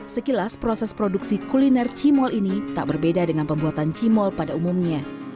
sekilas proses produksi kuliner cimol ini tak berbeda dengan pembuatan cimol pada umumnya